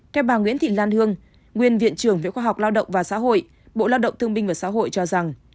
theo bà nguyễn thị lan hương nguyên viện trưởng viện khoa học lao động và xã hội bộ lao động thương minh và xã hội cho rằng